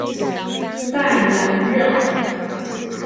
代兰让。